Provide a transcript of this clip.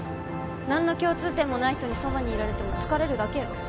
なんの共通点もない人にそばにいられても疲れるだけよ。